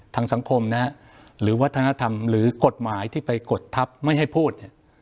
สังคมนะฮะหรือวัฒนธรรมหรือกฎหมายที่ไปกดทัพไม่ให้พูดเนี่ย